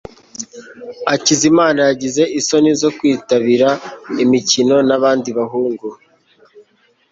hakizimana yagize isoni zo kwitabira imikino nabandi bahungu